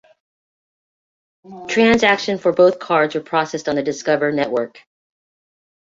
Transactions for both cards were processed on the Discover Network.